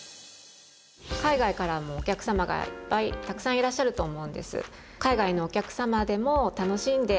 海外からもお客様がいっぱいたくさんいらっしゃると思うんです。